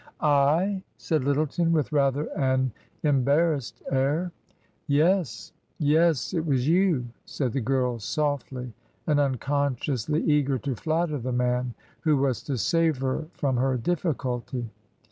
" I ?" said Lyttleton, with rather an embarrassed air. " Yes ! yes ! It was you !" said the girl, soflly, and unconsciously eager to flatter the man who was to save her from her difficulty.